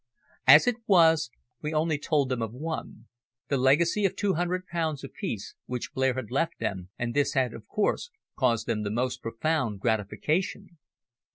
As it was, we only told them of one, the legacy of two hundred pounds apiece, which Blair had left them, and this had of course caused them the most profound gratification.